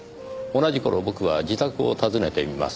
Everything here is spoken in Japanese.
同じ頃僕は自宅を訪ねてみます。